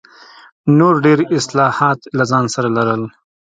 نور ډېر اصلاحات له ځان سره لرل.